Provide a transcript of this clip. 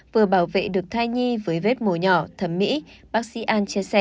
vừa bảo vệ được thai nhi với vết mồ nhỏ thẩm mỹ bác sĩ an chia sẻ